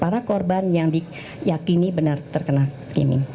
para korban yang diyakini benar terkena skimming